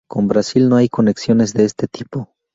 Con Brasil no hay conexiones de este tipo.